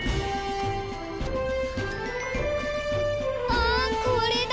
あっこれだ！